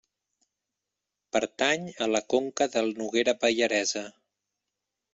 Pertany a la conca del Noguera Pallaresa.